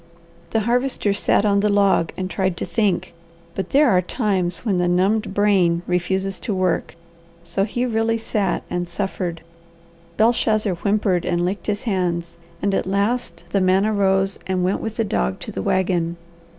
The Harvester sat on the log and tried to think; but there are times when the numbed brain refuses to work, so he really sat and suffered. Belshazzar whimpered and licked his hands, and at last the man arose and went with the dog to the wagon.